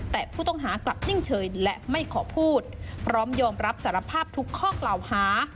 แต่ผู้ต้องหากลับนิ่งเฉยและไม่ขอพูดพร้อมยอมรับสารภาพทุกข้อกล่าวหา